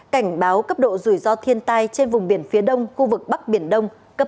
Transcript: cảnh báo cấp độ rủi ro thiên tai trên vùng biển phía đông khu vực bắc biển đông